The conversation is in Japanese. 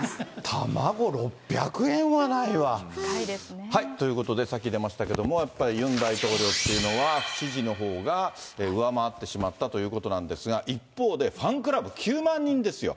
卵６００円はないわ。ということで、さっき出ましたけれども、ユン大統領というのは不支持のほうが上回ってしまったということなんですが、一方で、ファンクラブ９万人ですよ。